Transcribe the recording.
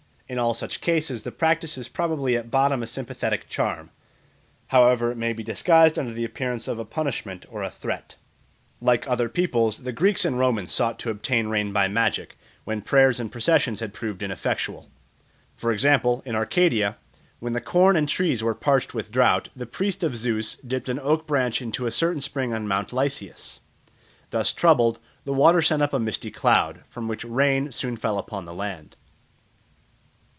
In all such cases the practice is probably at bottom a sympathetic charm, however it may be disguised under the appearance of a punishment or a threat. Like other peoples, the Greeks and Romans sought to obtain rain by magic, when prayers and processions had proved ineffectual. For example, in Arcadia, when the corn and trees were parched with drought, the priest of Zeus dipped an oak branch into a certain spring on Mount Lycaeus. Thus troubled, the water sent up a misty cloud, from which rain soon fell upon the land.